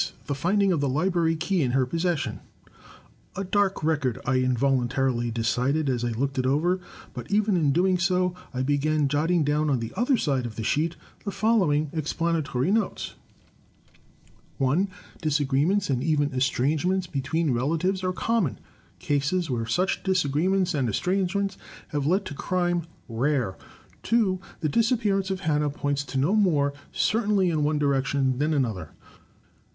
The finding of the library key in her possession. MORE DEVICES 1 99 "A dark record," I involuntarily decided, as I looked it over; but even in doing so began jotting down on the other side of the sheet the following explanatory notes: 1. Disagreements and even estrangements between relatives are common. Cases where such disagreements and estrangements have led to crime, rare. 2. The disappearance of Hannah points no more certainly in one direction than another.